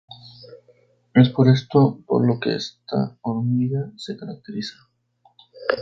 Es por esto por lo que esta hormiga se caracteriza.